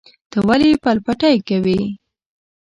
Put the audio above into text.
ته ولې پل پتی کوې؟